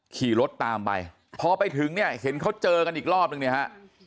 ขี่รถตามไปพอไปถึงเนี่ยเห็นเขาเจอกันอีกรอบนึงเนี่ยฮะ